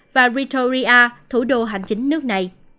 và pretoria thủ đô hành chính nước này